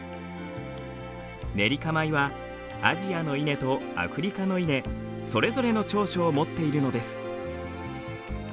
ネリカ米はアジアの稲とアフリカの稲それぞれの長所を持っているのです。